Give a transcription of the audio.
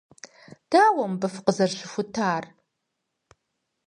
Дауэ мыбы фыкъызэрыщыхутар?